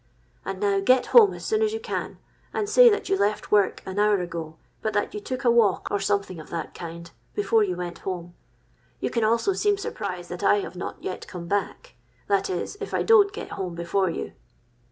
And now get home as soon as you can; and say that you left work an hour ago, but that you took a walk, or something of that kind, before you went home. You can also seem surprised that I have not yet come back: that is, if I don't get home before you.'